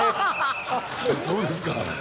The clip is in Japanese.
そうですか。